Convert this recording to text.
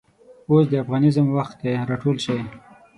اوس دافغانیزم وخت دی راټول شئ